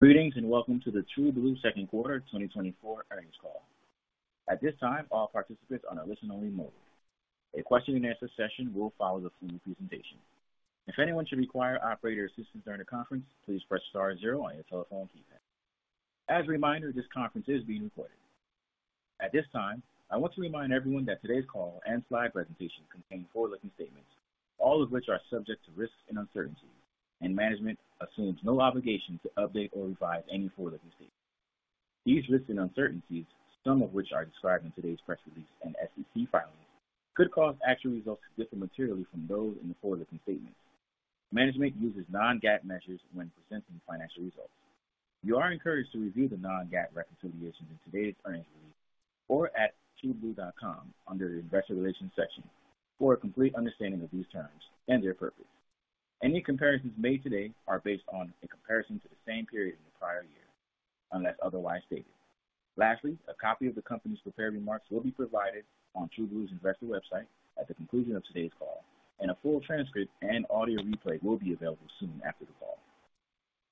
...Greetings, and welcome to the TrueBlue second quarter 2024 earnings call. At this time, all participants are on a listen-only mode. A question-and-answer session will follow the presentation. If anyone should require operator assistance during the conference, please Press Star zero on your telephone keypad. As a reminder, this conference is being recorded. At this time, I want to remind everyone that today's call and slide presentation contain forward-looking statements, all of which are subject to risks and uncertainties, and management assumes no obligation to update or revise any forward-looking statements. These risks and uncertainties, some of which are described in today's press release and SEC filings, could cause actual results to differ materially from those in the forward-looking statements. Management uses non-GAAP measures when presenting financial results. You are encouraged to review the Non-GAAP reconciliations in today's earnings release or at TrueBlue.com under the Investor Relations section for a complete understanding of these terms and their purpose. Any comparisons made today are based on a comparison to the same period in the prior year, unless otherwise stated. Lastly, a copy of the company's prepared remarks will be provided on TrueBlue's investor website at the conclusion of today's call, and a full transcript and audio replay will be available soon after the call.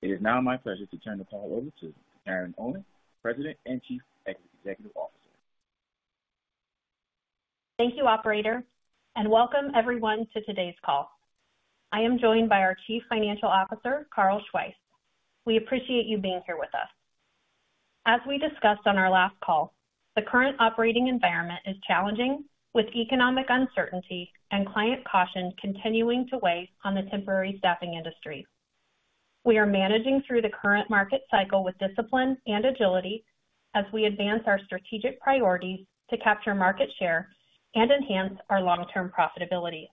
It is now my pleasure to turn the call over to Taryn Owen, President and Chief Executive Officer. Thank you, Operator, and welcome everyone to today's call. I am joined by our Chief Financial Officer, Carl Schweihs. We appreciate you being here with us. As we discussed on our last call, the current operating environment is challenging, with economic uncertainty and client caution continuing to weigh on the temporary staffing industry. We are managing through the current market cycle with discipline and agility as we advance our strategic priorities to capture market share and enhance our long-term profitability.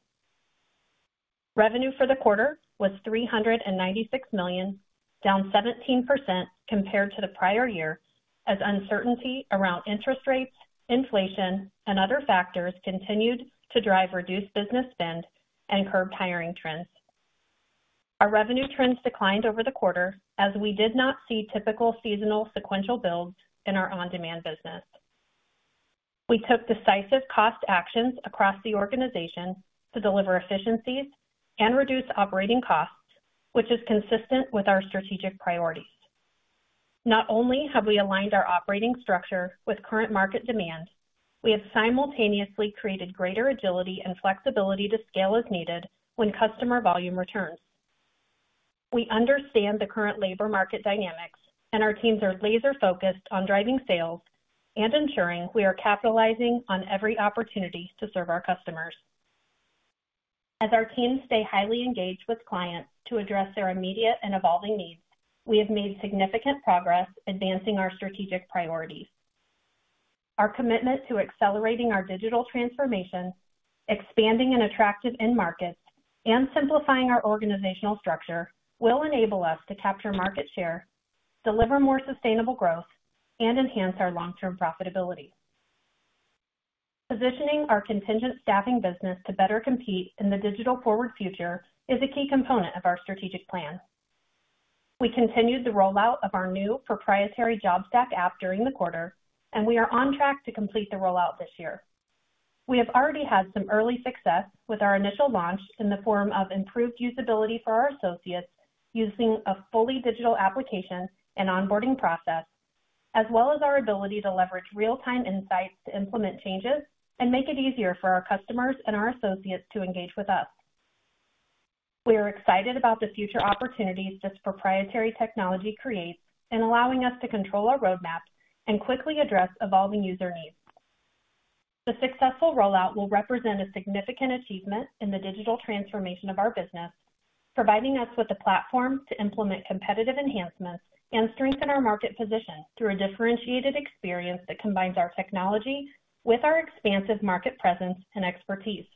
Revenue for the quarter was $396 million, down 17% compared to the prior year, as uncertainty around interest rates, inflation, and other factors continued to drive reduced business spend and curbed hiring trends. Our revenue trends declined over the quarter as we did not see typical seasonal sequential builds in our on-demand business. We took decisive cost actions across the organization to deliver efficiencies and reduce operating costs, which is consistent with our strategic priorities. Not only have we aligned our operating structure with current market demand, we have simultaneously created greater agility and flexibility to scale as needed when customer volume returns. We understand the current labor market dynamics, and our teams are laser-focused on driving sales and ensuring we are capitalizing on every opportunity to serve our customers. As our teams stay highly engaged with clients to address their immediate and evolving needs, we have made significant progress advancing our strategic priorities. Our commitment to accelerating our digital transformation, expanding and attractive end markets, and simplifying our organizational structure will enable us to capture market share, deliver more sustainable growth, and enhance our long-term profitability. Positioning our contingent staffing business to better compete in the digital-forward future is a key component of our strategic plan. We continued the rollout of our new proprietary JobStack app during the quarter, and we are on track to complete the rollout this year. We have already had some early success with our initial launch in the form of improved usability for our associates using a fully digital application and onboarding process, as well as our ability to leverage real-time insights to implement changes and make it easier for our customers and our associates to engage with us. We are excited about the future opportunities this proprietary technology creates in allowing us to control our roadmap and quickly address evolving user needs. The successful rollout will represent a significant achievement in the digital transformation of our business, providing us with a platform to implement competitive enhancements and strengthen our market position through a differentiated experience that combines our technology with our expansive market presence and expertise.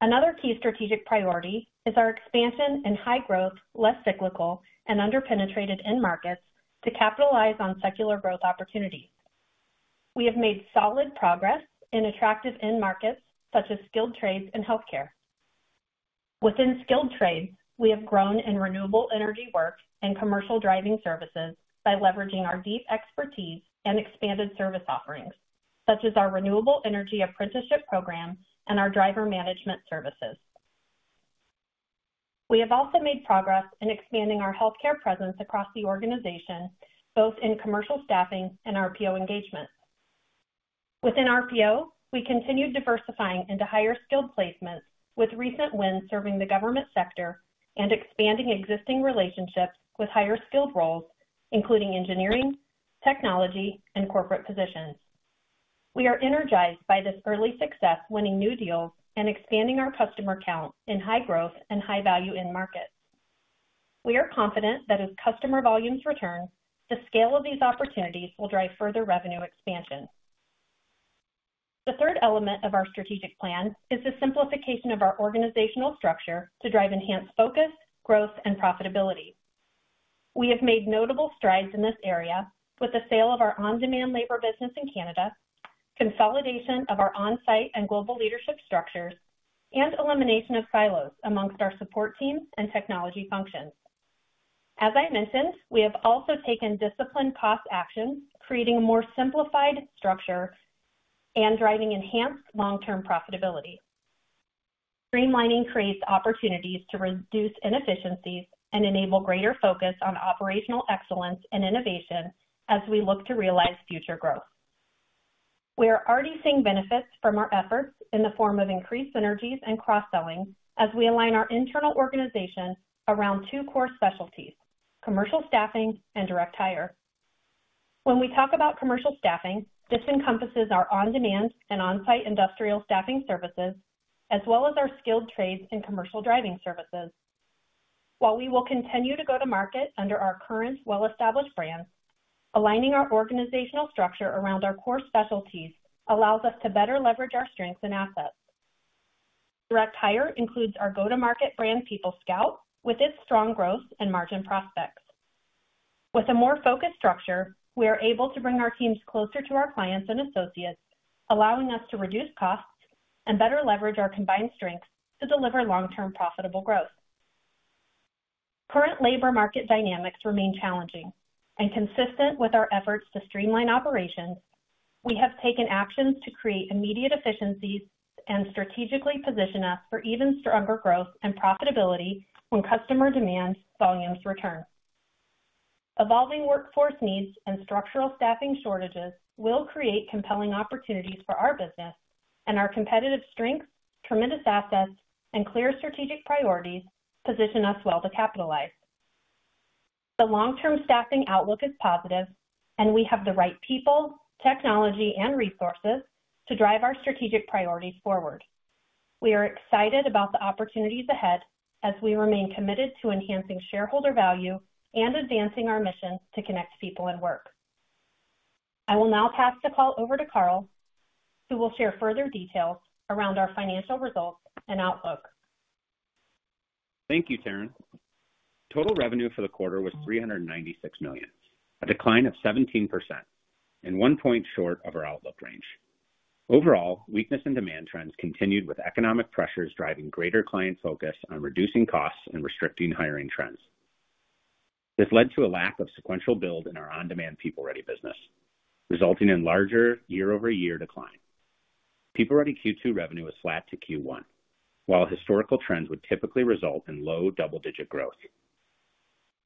Another key strategic priority is our expansion in high growth, less cyclical, and underpenetrated end markets to capitalize on secular growth opportunities. We have made solid progress in attractive end markets such as skilled trades and healthcare. Within skilled trades, we have grown in renewable energy work and commercial driving services by leveraging our deep expertise and expanded service offerings, such as our renewable energy apprenticeship program and our driver management services. We have also made progress in expanding our healthcare presence across the organization, both in commercial staffing and RPO engagement. Within RPO, we continued diversifying into higher-skilled placements, with recent wins serving the government sector and expanding existing relationships with higher-skilled roles, including engineering, technology, and corporate positions. We are energized by this early success, winning new deals and expanding our customer count in high-growth and high-value end markets. We are confident that as customer volumes return, the scale of these opportunities will drive further revenue expansion. The third element of our strategic plan is the simplification of our organizational structure to drive enhanced focus, growth, and profitability. We have made notable strides in this area with the sale of our on-demand labor business in Canada, consolidation of our on-site and global leadership structures, and elimination of silos among our support teams and technology functions. As I mentioned, we have also taken disciplined cost actions, creating a more simplified structure and driving enhanced long-term profitability.... Streamlining creates opportunities to reduce inefficiencies and enable greater focus on operational excellence and innovation as we look to realize future growth. We are already seeing benefits from our efforts in the form of increased synergies and cross-selling as we align our internal organization around two core specialties: commercial staffing and direct hire. When we talk about commercial staffing, this encompasses our on-demand and on-site industrial staffing services, as well as our skilled trades and commercial driving services. While we will continue to go to market under our current well-established brands, aligning our organizational structure around our core specialties allows us to better leverage our strengths and assets. Direct hire includes our go-to-market brand, PeopleScout, with its strong growth and margin prospects. With a more focused structure, we are able to bring our teams closer to our clients and associates, allowing us to reduce costs and better leverage our combined strengths to deliver long-term profitable growth. Current labor market dynamics remain challenging and consistent with our efforts to streamline operations, we have taken actions to create immediate efficiencies and strategically position us for even stronger growth and profitability when customer demand volumes return. Evolving workforce needs and structural staffing shortages will create compelling opportunities for our business, and our competitive strengths, tremendous assets, and clear strategic priorities position us well to capitalize. The long-term staffing outlook is positive, and we have the right people, technology, and resources to drive our strategic priorities forward. We are excited about the opportunities ahead as we remain committed to enhancing shareholder value and advancing our mission to connect people and work. I will now pass the call over to Carl, who will share further details around our financial results and outlook. Thank you, Taryn. Total revenue for the quarter was $396 million, a decline of 17% and 1 point short of our outlook range. Overall, weakness in demand trends continued, with economic pressures driving greater client focus on reducing costs and restricting hiring trends. This led to a lack of sequential build in our on-demand PeopleReady business, resulting in larger year-over-year decline. PeopleReady Q2 revenue was flat to Q1, while historical trends would typically result in low double-digit growth.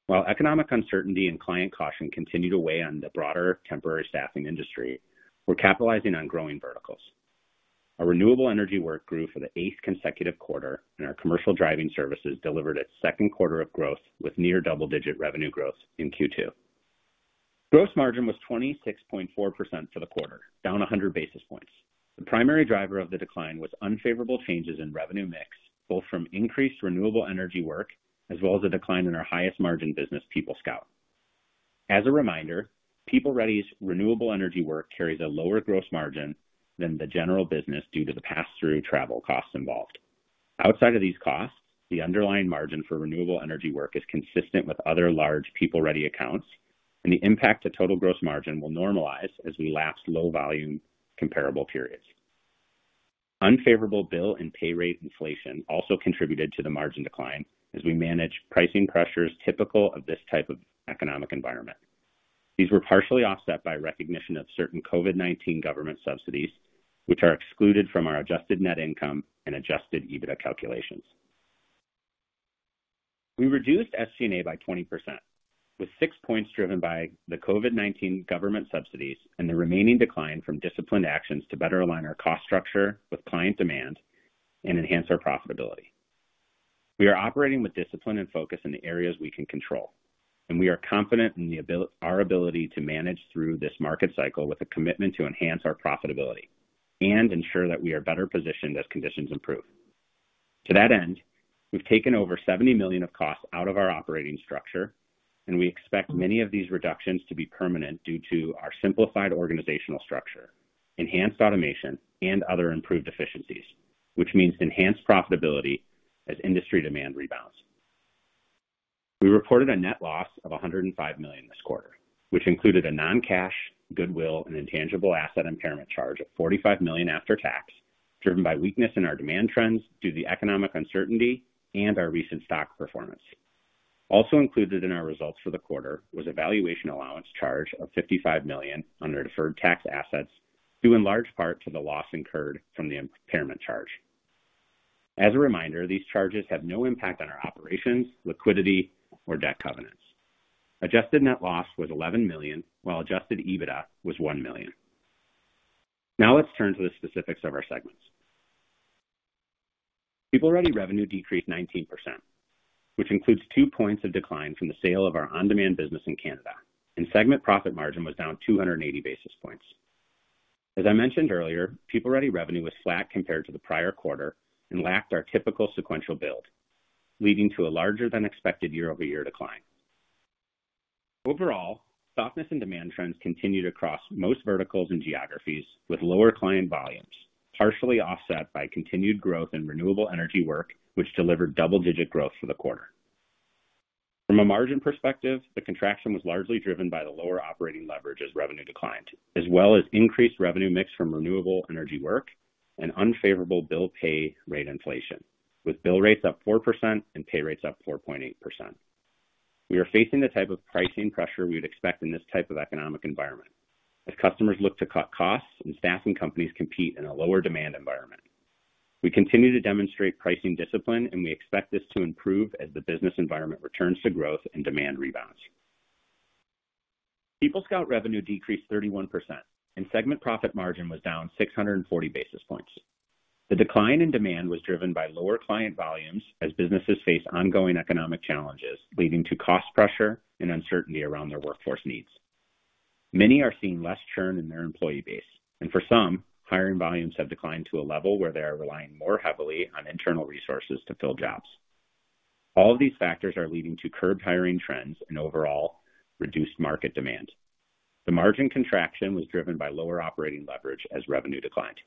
While economic uncertainty and client caution continue to weigh on the broader temporary staffing industry, we're capitalizing on growing verticals. Our renewable energy work grew for the eighth consecutive quarter, and our commercial driving services delivered its second quarter of growth, with near double-digit revenue growth in Q2. Gross margin was 26.4% for the quarter, down 100 basis points. The primary driver of the decline was unfavorable changes in revenue mix, both from increased renewable energy work as well as a decline in our highest margin business, PeopleScout. As a reminder, PeopleReady's renewable energy work carries a lower gross margin than the general business due to the pass-through travel costs involved. Outside of these costs, the underlying margin for renewable energy work is consistent with other large PeopleReady accounts, and the impact to total gross margin will normalize as we lapse low volume comparable periods. Unfavorable bill and pay rate inflation also contributed to the margin decline as we manage pricing pressures typical of this type of economic environment. These were partially offset by recognition of certain COVID-19 government subsidies, which are excluded from our adjusted net income and adjusted EBITDA calculations. We reduced SG&A by 20%, with six points driven by the COVID-19 government subsidies and the remaining decline from disciplined actions to better align our cost structure with client demand and enhance our profitability. We are operating with discipline and focus in the areas we can control, and we are confident in our ability to manage through this market cycle with a commitment to enhance our profitability and ensure that we are better positioned as conditions improve. To that end, we've taken over $70 million of costs out of our operating structure, and we expect many of these reductions to be permanent due to our simplified organizational structure, enhanced automation, and other improved efficiencies, which means enhanced profitability as industry demand rebounds. We reported a net loss of $105 million this quarter, which included a non-cash goodwill and intangible asset impairment charge of $45 million after tax, driven by weakness in our demand trends due to the economic uncertainty and our recent stock performance. Also included in our results for the quarter was a valuation allowance charge of $55 million on our deferred tax assets, due in large part to the loss incurred from the impairment charge. As a reminder, these charges have no impact on our operations, liquidity, or debt covenants. Adjusted net loss was $11 million, while adjusted EBITDA was $1 million. Now let's turn to the specifics of our segments. PeopleReady revenue decreased 19%, which includes two points of decline from the sale of our on-demand business in Canada, and segment profit margin was down 280 basis points. As I mentioned earlier, PeopleReady revenue was flat compared to the prior quarter and lacked our typical sequential build, leading to a larger-than-expected year-over-year decline. Overall, softness and demand trends continued across most verticals and geographies, with lower client volumes partially offset by continued growth in renewable energy work, which delivered double-digit growth for the quarter. From a margin perspective, the contraction was largely driven by the lower operating leverage as revenue declined, as well as increased revenue mix from renewable energy work and unfavorable bill pay rate inflation, with bill rates up 4% and pay rates up 4.8%.... We are facing the type of pricing pressure we would expect in this type of economic environment as customers look to cut costs and staffing companies compete in a lower demand environment. We continue to demonstrate pricing discipline, and we expect this to improve as the business environment returns to growth and demand rebounds. PeopleScout revenue decreased 31%, and segment profit margin was down 640 basis points. The decline in demand was driven by lower client volumes as businesses face ongoing economic challenges, leading to cost pressure and uncertainty around their workforce needs. Many are seeing less churn in their employee base, and for some, hiring volumes have declined to a level where they are relying more heavily on internal resources to fill jobs. All of these factors are leading to curbed hiring trends and overall reduced market demand. The margin contraction was driven by lower operating leverage as revenue declined.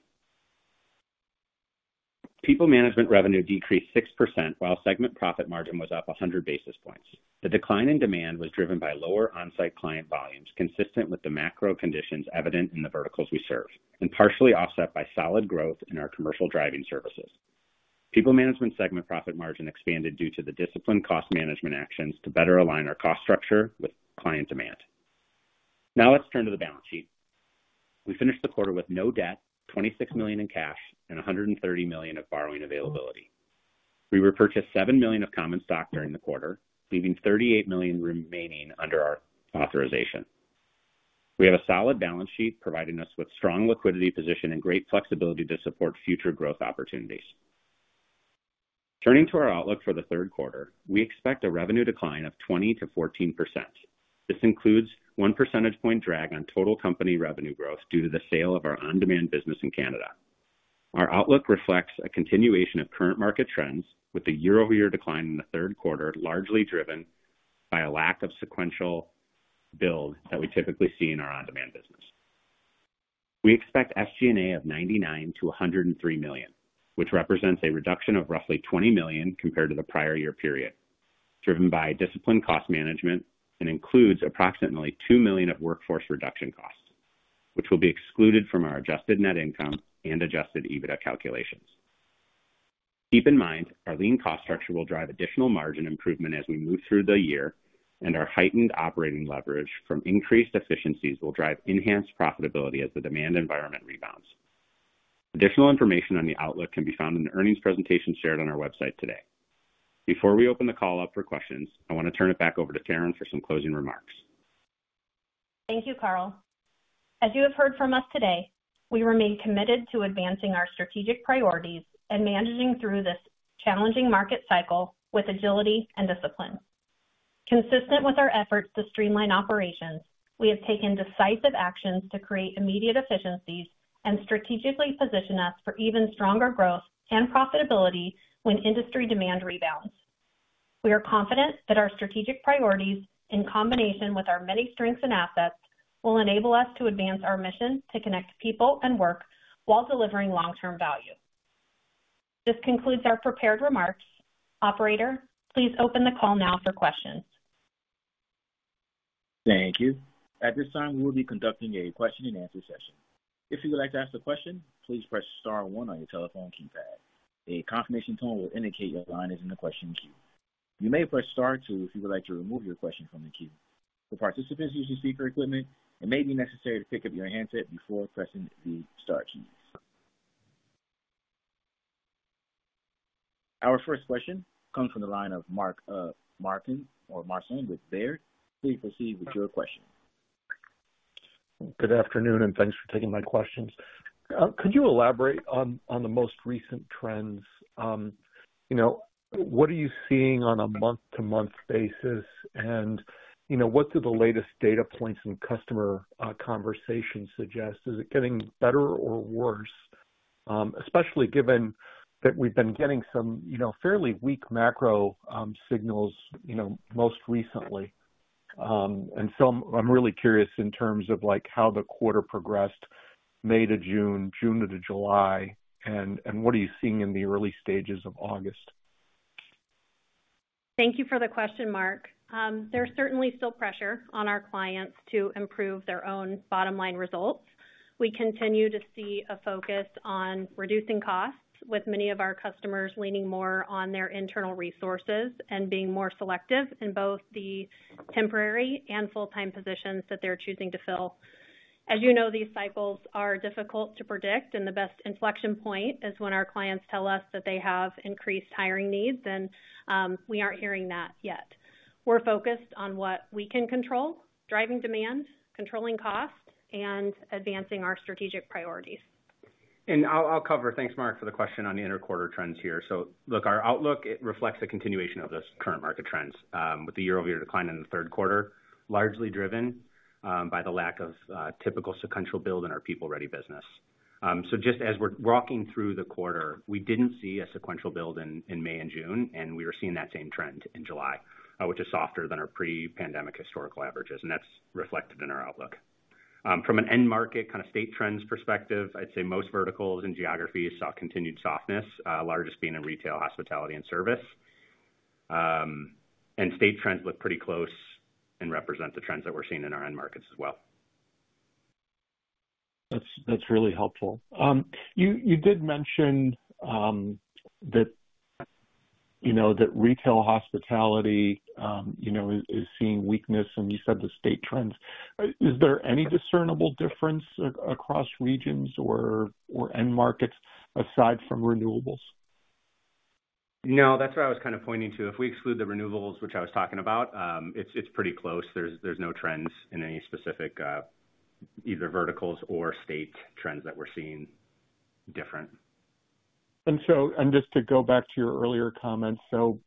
PeopleManagement revenue decreased 6%, while segment profit margin was up 100 basis points. The decline in demand was driven by lower on-site client volumes, consistent with the macro conditions evident in the verticals we serve, and partially offset by solid growth in our commercial driving services. PeopleManagement segment profit margin expanded due to the disciplined cost management actions to better align our cost structure with client demand. Now let's turn to the balance sheet. We finished the quarter with no debt, $26 million in cash, and $130 million of borrowing availability. We repurchased $7 million of common stock during the quarter, leaving $38 million remaining under our authorization. We have a solid balance sheet, providing us with strong liquidity position and great flexibility to support future growth opportunities. Turning to our outlook for the third quarter, we expect a revenue decline of 20%-14%. This includes 1 percentage point drag on total company revenue growth due to the sale of our on-demand business in Canada. Our outlook reflects a continuation of current market trends, with the year-over-year decline in the third quarter largely driven by a lack of sequential build that we typically see in our on-demand business. We expect SG&A of $99 million-$103 million, which represents a reduction of roughly $20 million compared to the prior year period, driven by disciplined cost management and includes approximately $2 million of workforce reduction costs, which will be excluded from our adjusted net income and adjusted EBITDA calculations. Keep in mind, our lean cost structure will drive additional margin improvement as we move through the year, and our heightened operating leverage from increased efficiencies will drive enhanced profitability as the demand environment rebounds. Additional information on the outlook can be found in the earnings presentation shared on our website today. Before we open the call up for questions, I want to turn it back over to Taryn for some closing remarks. Thank you, Carl. As you have heard from us today, we remain committed to advancing our strategic priorities and managing through this challenging market cycle with agility and discipline. Consistent with our efforts to streamline operations, we have taken decisive actions to create immediate efficiencies and strategically position us for even stronger growth and profitability when industry demand rebounds. We are confident that our strategic priorities, in combination with our many strengths and assets, will enable us to advance our mission to connect people and work while delivering long-term value. This concludes our prepared remarks. Operator, please open the call now for questions. Thank you. At this time, we will be conducting a question-and-answer session. If you would like to ask a question, please press star one on your telephone keypad. A confirmation tone will indicate your line is in the question queue. You may press star two if you would like to remove your question from the queue. For participants using speaker equipment, it may be necessary to pick up your handset before pressing the star key. Our first question comes from the line of Mark Marcon with Baird. Please proceed with your question. Good afternoon, and thanks for taking my questions. Could you elaborate on the most recent trends? You know, what are you seeing on a month-to-month basis? And, you know, what do the latest data points and customer conversations suggest? Is it getting better or worse? Especially given that we've been getting some, you know, fairly weak macro signals, you know, most recently. And so I'm really curious in terms of, like, how the quarter progressed May to June, June to July, and what are you seeing in the early stages of August? Thank you for the question, Mark. There's certainly still pressure on our clients to improve their own bottom-line results. We continue to see a focus on reducing costs, with many of our customers leaning more on their internal resources and being more selective in both the temporary and full-time positions that they're choosing to fill. As you know, these cycles are difficult to predict, and the best inflection point is when our clients tell us that they have increased hiring needs, and we aren't hearing that yet. We're focused on what we can control: driving demand, controlling cost, and advancing our strategic priorities. I'll cover... Thanks, Mark, for the question on the interquarter trends here. So look, our outlook, it reflects a continuation of this current market trends, with the year-over-year decline in the third quarter, largely driven, by the lack of, typical sequential build in our PeopleReady business. So just as we're walking through the quarter, we didn't see a sequential build in May and June, and we were seeing that same trend in July, which is softer than our pre-pandemic historical averages, and that's reflected in our outlook. From an end market, kind of, state trends perspective, I'd say most verticals and geographies saw continued softness, largest being in retail, hospitality, and service. And state trends look pretty close and represent the trends that we're seeing in our end markets as well.... That's really helpful. You did mention that you know that retail hospitality you know is seeing weakness, and you said the state trends. Is there any discernible difference across regions or end markets aside from renewables? No, that's what I was kind of pointing to. If we exclude the renewables, which I was talking about, it's pretty close. There's no trends in any specific either verticals or state trends that we're seeing different. Just to go back to your earlier comments, so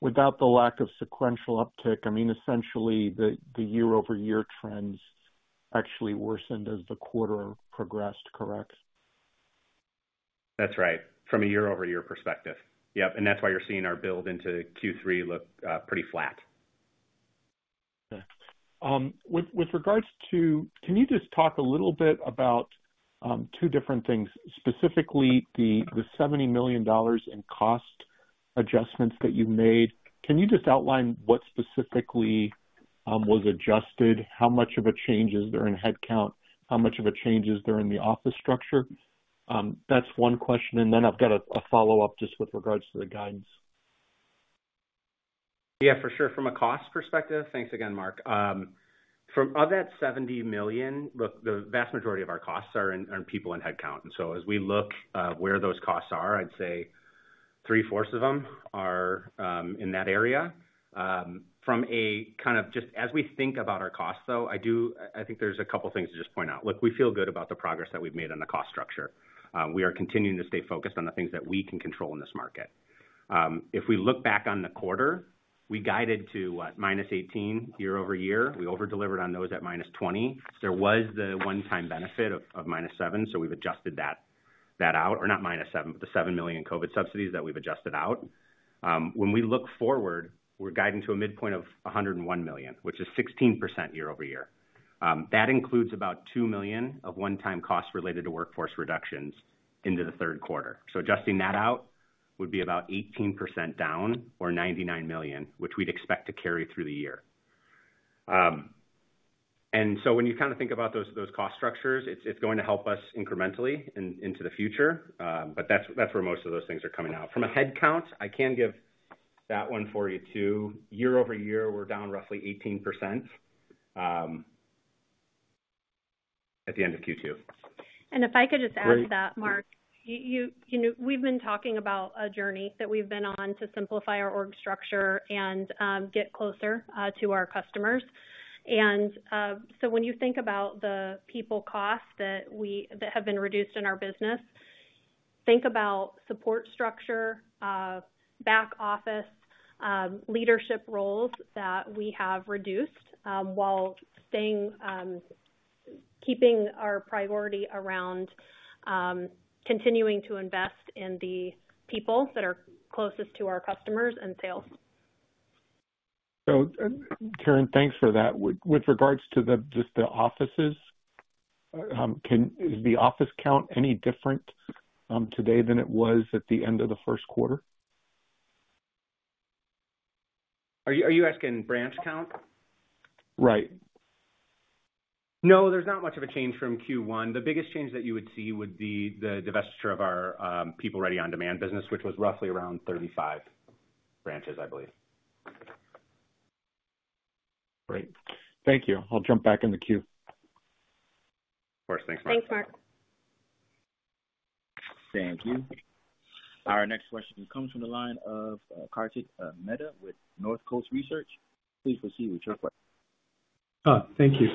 without the lack of sequential uptick, I mean, essentially, the year-over-year trends actually worsened as the quarter progressed, correct? That's right, from a year-over-year perspective. Yep, and that's why you're seeing our build into Q3 look pretty flat. Okay. With regards to... Can you just talk a little bit about two different things, specifically the $70 million in cost adjustments that you made? Can you just outline what specifically was adjusted? How much of a change is there in headcount? How much of a change is there in the office structure? That's one question, and then I've got a follow-up just with regards to the guidance. Yeah, for sure. From a cost perspective, thanks again, Mark. Of that $70 million, look, the vast majority of our costs are in on people and headcount. And so as we look where those costs are, I'd say three-fourths of them are in that area. From a kind of just as we think about our costs, though, I think there's a couple things to just point out. Look, we feel good about the progress that we've made on the cost structure. We are continuing to stay focused on the things that we can control in this market. If we look back on the quarter, we guided to what? -18% year-over-year. We over-delivered on those at -20%. There was the one-time benefit of -7%, so we've adjusted that out. Or not -7, but the $7 million COVID subsidies that we've adjusted out. When we look forward, we're guiding to a midpoint of $101 million, which is 16% year-over-year. That includes about $2 million of one-time costs related to workforce reductions into the third quarter. So adjusting that out would be about 18% down, or $99 million, which we'd expect to carry through the year. And so when you kind of think about those cost structures, it's going to help us incrementally into the future, but that's where most of those things are coming out. From a headcount, I can give that one for you, too. Year-over-year, we're down roughly 18%, at the end of Q2. And if I could just add to that, Mark. You know, we've been talking about a journey that we've been on to simplify our org structure and get closer to our customers. So when you think about the people costs that we—that have been reduced in our business, think about support structure, back office, leadership roles that we have reduced, while staying, keeping our priority around continuing to invest in the people that are closest to our customers and sales. So, Carl, thanks for that. With regards to just the offices, is the office count any different today than it was at the end of the first quarter? Are you, are you asking branch count? Right. No, there's not much of a change from Q1. The biggest change that you would see would be the divestiture of our, PeopleReady on-demand business, which was roughly around 35 branches, I believe. Great. Thank you. I'll jump back in the queue. Of course. Thanks, Mark. Thanks, Mark. Thank you. Our next question comes from the line of, Kartik Mehta with North Coast Research. Please proceed with your question. Thank you.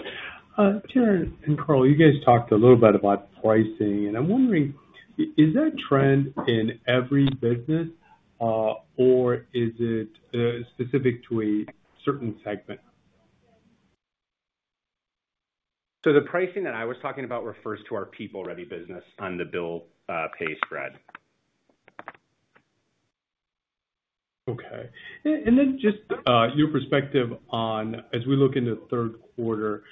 Taryn and Carl, you guys talked a little bit about pricing, and I'm wondering, is that trend in every business, or is it specific to a certain segment? The pricing that I was talking about refers to our PeopleReady business on the bill pay spread. Okay. And then just your perspective on, as we look into the third quarter,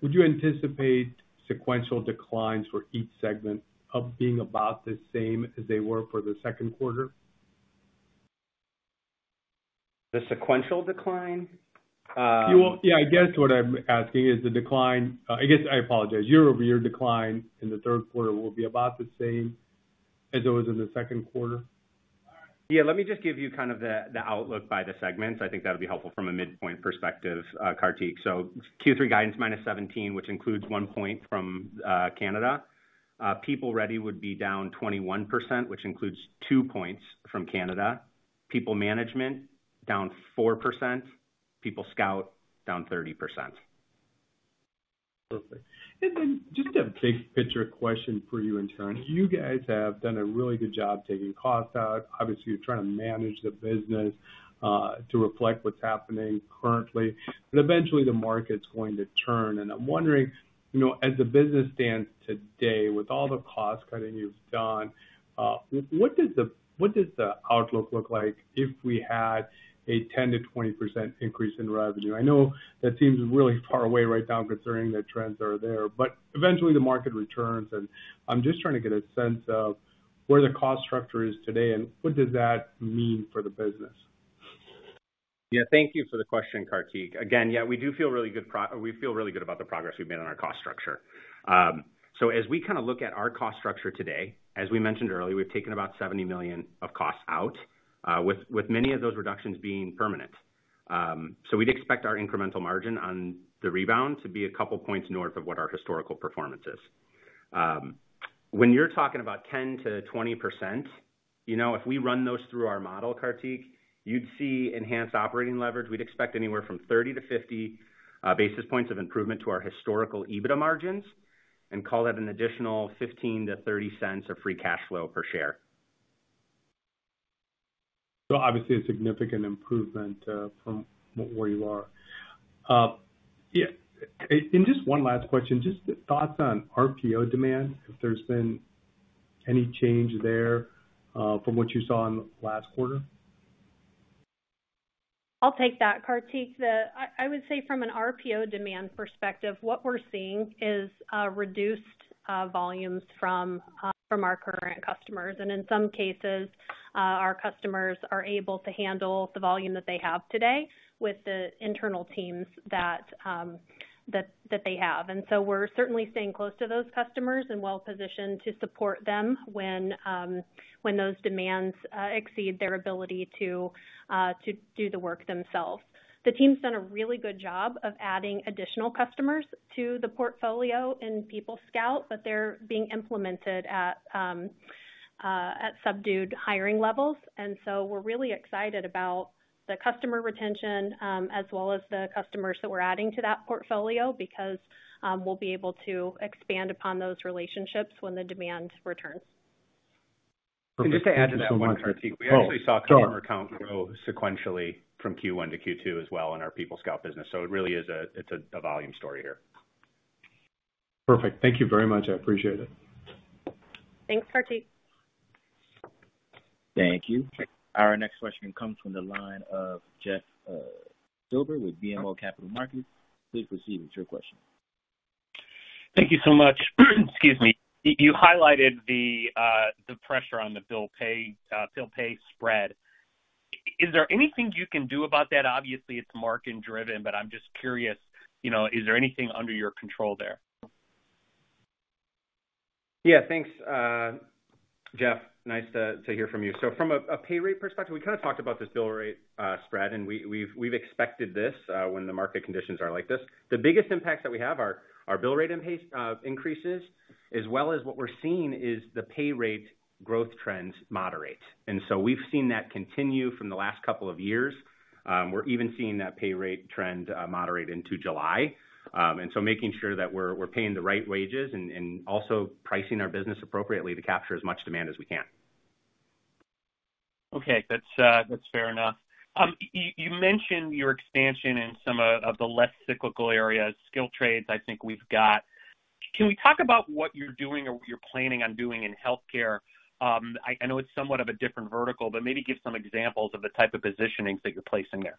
would you anticipate sequential declines for each segment of being about the same as they were for the second quarter? The sequential decline? Well, yeah, I guess what I'm asking is the decline... I guess I apologize. Year-over-year decline in the third quarter will be about the same as it was in the second quarter. Yeah, let me just give you kind of the outlook by the segments. I think that'll be helpful from a midpoint perspective, Kartik. So Q3 guidance minus 17, which includes 1 point from Canada. PeopleReady would be down 21%, which includes 2 points from Canada. PeopleManagement, down 4%. PeopleScout, down 30%. Perfect. And then just a big picture question for you and Taryn. You guys have done a really good job taking costs out. Obviously, you're trying to manage the business to reflect what's happening currently, but eventually, the market's going to turn. And I'm wondering, you know, as the business stands today, with all the cost cutting you've done, what does the outlook look like if we had a 10%-20% increase in revenue? I know that seems really far away right now, considering the trends are there, but eventually the market returns, and I'm just trying to get a sense of where the cost structure is today, and what does that mean for the business?... Yeah, thank you for the question, Kartik. Again, yeah, we do feel really good, we feel really good about the progress we've made on our cost structure. So as we kind of look at our cost structure today, as we mentioned earlier, we've taken about $70 million of costs out, with many of those reductions being permanent. So we'd expect our incremental margin on the rebound to be a couple points north of what our historical performance is. When you're talking about 10%-20%, you know, if we run those through our model, Kartik, you'd see enhanced operating leverage. We'd expect anywhere from 30-50 basis points of improvement to our historical EBITDA margins, and call that an additional $0.15-$0.30 of free cash flow per share. So obviously, a significant improvement from where you are. Yeah, and just one last question. Just thoughts on RPO demand, if there's been any change there from what you saw in the last quarter? I'll take that, Kartik. I would say from an RPO demand perspective, what we're seeing is reduced volumes from our current customers. And in some cases, our customers are able to handle the volume that they have today with the internal teams that they have. And so we're certainly staying close to those customers and well positioned to support them when those demands exceed their ability to do the work themselves. The team's done a really good job of adding additional customers to the portfolio in PeopleScout, but they're being implemented at subdued hiring levels. And so we're really excited about the customer retention, as well as the customers that we're adding to that portfolio, because we'll be able to expand upon those relationships when the demand returns. Just to add to that one, Kartik, we actually saw customer count grow sequentially from Q1 t- Q2 as well in our PeopleScout business. So it really is a... It's a volume story here. Perfect. Thank you very much. I appreciate it. Thanks, Kartik. Thank you. Our next question comes from the line of Jeff Silber with BMO Capital Markets. Please proceed with your question. Thank you so much. Excuse me. You highlighted the pressure on the bill pay spread. Is there anything you can do about that? Obviously, it's market driven, but I'm just curious, you know, is there anything under your control there? Yeah, thanks, Jeff. Nice to hear from you. So from a pay rate perspective, we kind of talked about this bill rate spread, and we've expected this when the market conditions are like this. The biggest impacts that we have are our bill rate and pace increases, as well as what we're seeing is the pay rate growth trends moderate. And so we've seen that continue from the last couple of years. We're even seeing that pay rate trend moderate into July. And so making sure that we're paying the right wages and also pricing our business appropriately to capture as much demand as we can. Okay. That's fair enough. You mentioned your expansion in some of the less cyclical areas, skill trades, I think we've got. Can we talk about what you're doing or what you're planning on doing in healthcare? I know it's somewhat of a different vertical, but maybe give some examples of the type of positionings that you're placing there.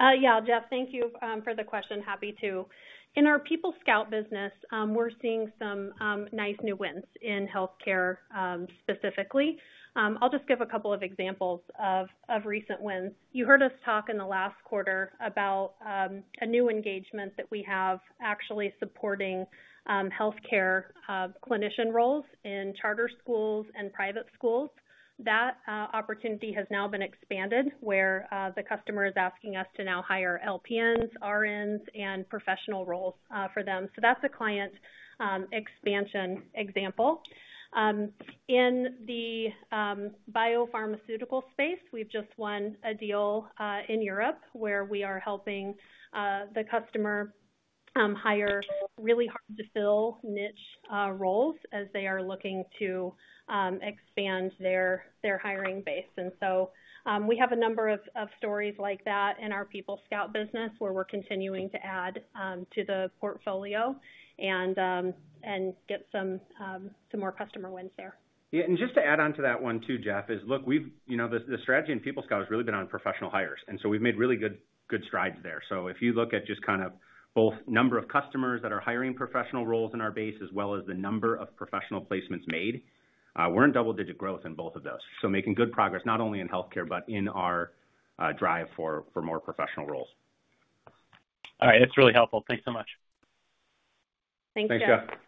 Yeah, Jeff, thank you for the question. Happy to. In our PeopleScout business, we're seeing some nice new wins in healthcare, specifically. I'll just give a couple of examples of recent wins. You heard us talk in the last quarter about a new engagement that we have actually supporting healthcare clinician roles in charter schools and private schools. That opportunity has now been expanded, where the customer is asking us to now hire LPNs, RNs, and professional roles for them. So that's a client expansion example. In the biopharmaceutical space, we've just won a deal in Europe, where we are helping the customer hire really hard-to-fill niche roles as they are looking to expand their hiring base. And so, we have a number of stories like that in our PeopleScout business, where we're continuing to add to the portfolio and get some more customer wins there. Yeah, and just to add on to that one, too, Jeff, is look, we've... You know, the strategy in PeopleScout has really been on professional hires, and so we've made really good, good strides there. So if you look at just kind of both number of customers that are hiring professional roles in our base, as well as the number of professional placements made, we're in double-digit growth in both of those. So making good progress, not only in healthcare, but in our drive for more professional roles. All right. That's really helpful. Thanks so much. Thanks, Jeff. Thanks, Jeff.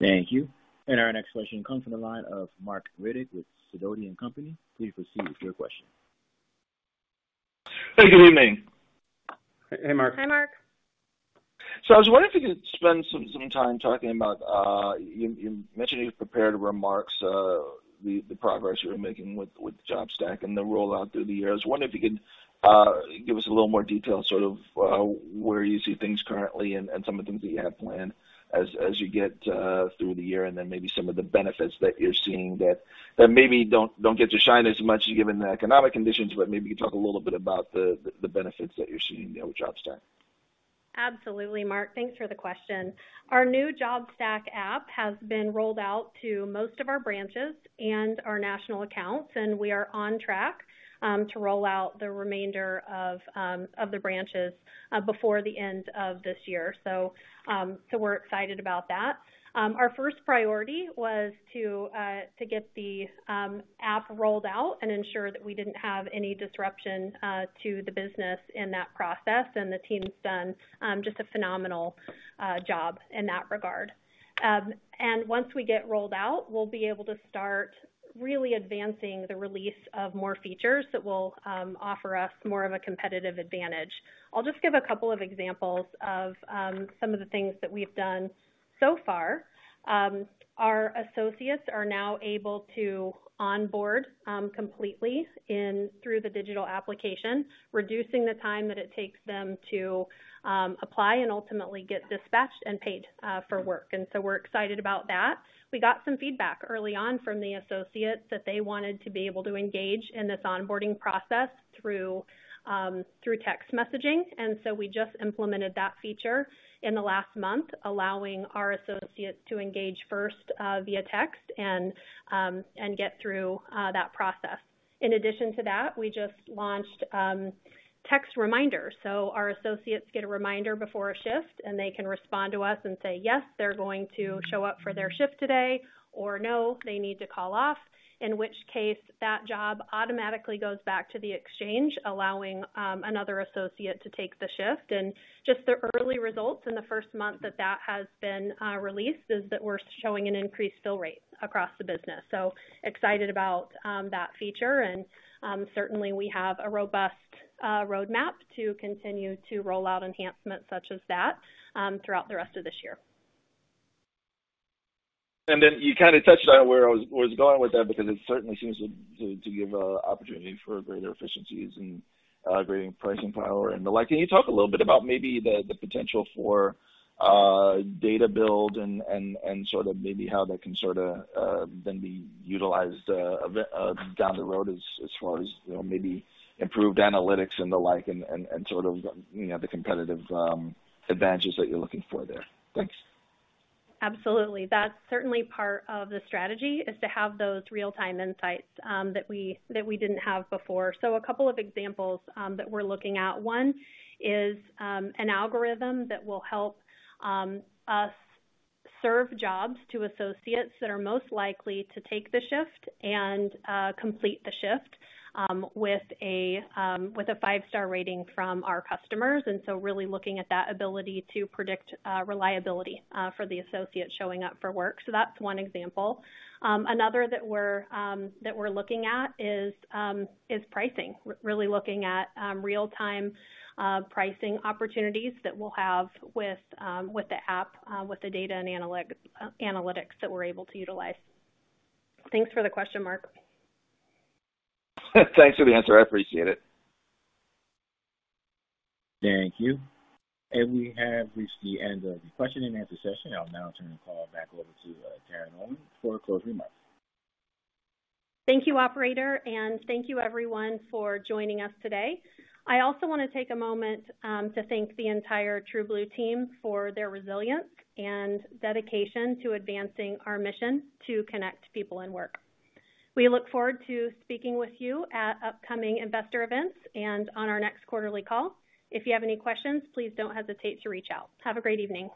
Thank you. Our next question comes from the line of Marc Riddick with Sidoti & Company. Please proceed with your question. Good evening. Hey, Mark. Hi, Mark. I was wondering if you could spend some, some time talking about, you, you mentioned in your prepared remarks, the, the progress you were making with, with JobStack and the rollout through the year. I was wondering if you could, give us a little more detail, sort of, where you see things currently and, and some of the things that you have planned as, as you get, through the year, and then maybe some of the benefits that you're seeing that, that maybe don't, don't get to shine as much given the economic conditions, but maybe you can talk a little bit about the, the, the benefits that you're seeing there with JobStack.... Absolutely, Mark. Thanks for the question. Our new JobStack app has been rolled out to most of our branches and our national accounts, and we are on track to roll out the remainder of the branches before the end of this year. So, so we're excited about that. Our first priority was to to get the app rolled out and ensure that we didn't have any disruption to the business in that process, and the team's done just a phenomenal job in that regard. And once we get rolled out, we'll be able to start really advancing the release of more features that will offer us more of a competitive advantage. I'll just give a couple of examples of some of the things that we've done so far. Our associates are now able to onboard completely through the digital application, reducing the time that it takes them to apply and ultimately get dispatched and paid for work. And so we're excited about that. We got some feedback early on from the associates that they wanted to be able to engage in this onboarding process through text messaging, and so we just implemented that feature in the last month, allowing our associates to engage first via text and get through that process. In addition to that, we just launched text reminders, so our associates get a reminder before a shift, and they can respond to us and say, "Yes," they're going to show up for their shift today, or, "No," they need to call off, in which case that job automatically goes back to the exchange, allowing another associate to take the shift. And just the early results in the first month that that has been released is that we're showing an increased fill rate across the business. So excited about that feature. And certainly we have a robust roadmap to continue to roll out enhancements such as that throughout the rest of this year. And then you kind of touched on where I was going with that because it certainly seems to give opportunity for greater efficiencies and greater pricing power and the like. Can you talk a little bit about maybe the potential for data build and sort of maybe how that can sorta then be utilized down the road as far as, you know, maybe improved analytics and the like, and sort of, you know, the competitive advantages that you're looking for there? Thanks. Absolutely. That's certainly part of the strategy, is to have those real-time insights, that we didn't have before. So a couple of examples, that we're looking at. One is, an algorithm that will help, us serve jobs to associates that are most likely to take the shift and, complete the shift, with a five-star rating from our customers, and so really looking at that ability to predict, reliability, for the associates showing up for work. So that's one example. Another that we're looking at is, pricing. We're really looking at, real-time, pricing opportunities that we'll have with, the app, with the data and analytics that we're able to utilize. Thanks for the question, Mark. Thanks for the answer. I appreciate it. Thank you. We have reached the end of the question and answer session. I'll now turn the call back over to Taryn Owen for closing remarks. Thank you, operator, and thank you everyone for joining us today. I also want to take a moment to thank the entire TrueBlue team for their resilience and dedication to advancing our mission to connect people and work. We look forward to speaking with you at upcoming investor events and on our next quarterly call. If you have any questions, please don't hesitate to reach out. Have a great evening.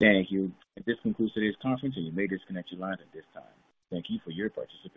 Thank you. This concludes today's conference, and you may disconnect your lines at this time. Thank you for your participation.